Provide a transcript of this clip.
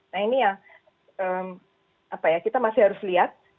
nah ini yang kita masih harus lihat